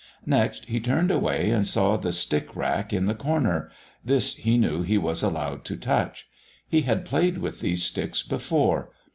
Next he turned away and saw the stick rack in the corner this, he knew, he was allowed to touch. He had played with these sticks before.